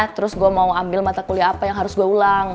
terus gue mau ambil mata kuliah apa yang harus gue ulang